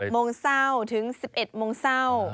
โมงเศร้าถึง๑๑โมงเศร้า